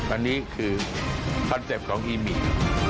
อันนี้คือคอนเซ็ปต์ของอีมิ